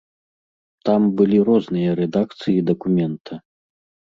Там былі розныя рэдакцыі дакумента.